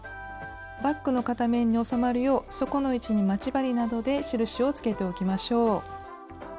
バッグの片面に収まるよう底の位置に待ち針などで印をつけておきましょう。